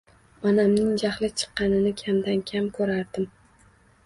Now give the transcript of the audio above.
Onamning jahli chiqqanini kamdan-kam ko‘rardim.